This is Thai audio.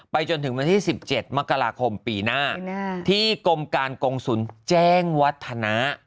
จนถึงวันที่๑๗มกราคมปีหน้าที่กรมการกงศูนย์แจ้งวัฒนะ